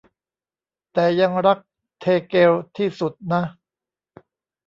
แต่ยังรักเทเกลที่สุดนะ